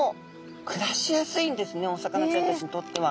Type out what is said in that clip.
お魚ちゃんたちにとっては。